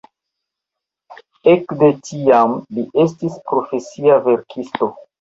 Ekde tiam li estis profesia verkisto.